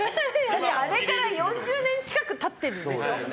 あれから４０年近く経ってるんでしょ。